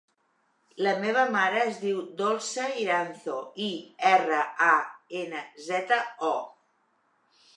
La meva mare es diu Dolça Iranzo: i, erra, a, ena, zeta, o.